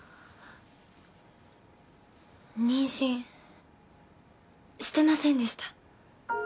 妊娠してませんでした。